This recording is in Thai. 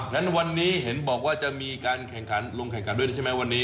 งั้นวันนี้เห็นบอกว่าจะมีการแข่งขันลงแข่งขันด้วยใช่ไหมวันนี้